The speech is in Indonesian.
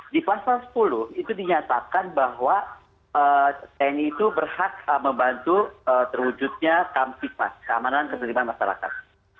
di pasal sepuluh itu dinyatakan bahwa tni itu berhak membantu terwujudnya kampipas keamanan keterlibatan masyarakat